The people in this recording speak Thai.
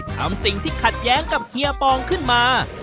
ทำสิ่งที่ขัดแย้งกับเฮียปองขึ้นมา